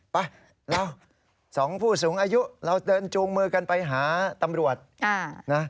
ไปเราสองผู้สูงอายุเราเดินจูงมือกันไปหาตำรวจนะ